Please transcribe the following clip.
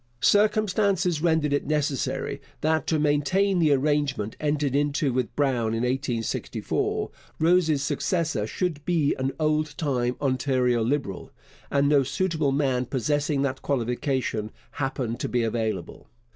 Circumstances rendered it necessary that, to maintain the arrangement entered into with Brown in 1864, Rose's successor should be an old time Ontario Liberal, and no suitable man possessing that qualification happened to be available.